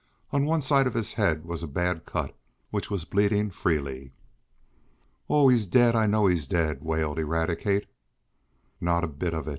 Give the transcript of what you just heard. On one side of his head was a bad cut, which was bleeding freely. "Oh! he's daid! I know he's daid!" wailed Eradicate. "Not a bit of it.